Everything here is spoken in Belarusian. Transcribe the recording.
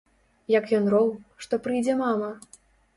Як ён роў, што прыйдзе мама!